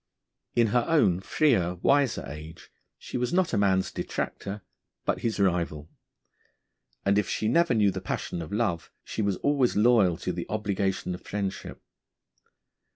In her own freer, wiser age, she was not man's detractor, but his rival; and if she never knew the passion of love, she was always loyal to the obligation of friendship.